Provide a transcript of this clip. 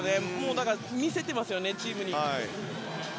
だから、見せていますよねチームに。